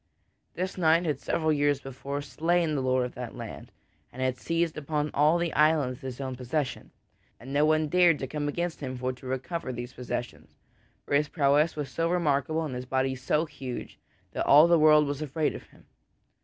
This knight had several years before slain the lord of that land, and had seized upon all of the island as his own possession, and no one dared to come against him for to recover these possessions, for his prowess was so remarkable and his body so huge that all the world was afraid of him.